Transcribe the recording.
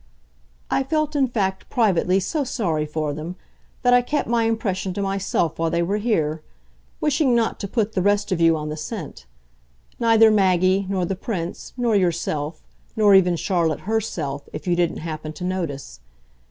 "I felt in fact, privately, so sorry for them, that I kept my impression to myself while they were here wishing not to put the rest of you on the scent; neither Maggie, nor the Prince, nor yourself, nor even Charlotte HERself, if you didn't happen to notice.